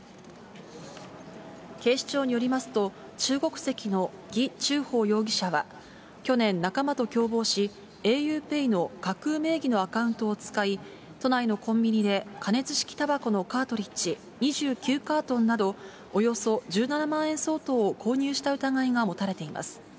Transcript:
警視庁によりますと、中国籍の魏忠宝容疑者は、去年、仲間と共謀し、ａｕＰＡＹの架空名義のアカウントを使い、都内のコンビニで加熱式たばこのカートリッジ、２９カートンなど、およそ１７万円相当を購入した疑いが持たれています。